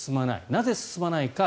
なぜ進まないか。